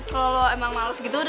kalau emang males gitu